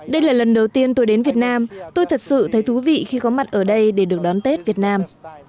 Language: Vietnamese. đây là lần đầu tiên tôi đến việt nam tôi thật sự thấy thú vị khi có mặt ở đây để được đón tết việt nam